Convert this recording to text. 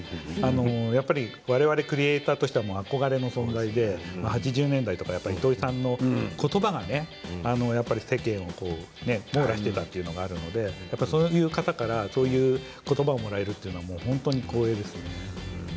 やっぱり我々クリエーターとしては憧れの存在で８０年代とか糸井さんの言葉がやっぱり世間を網羅していたというのがあるのでそういう方から、そういう言葉をもらえるというのは本当に光栄ですね。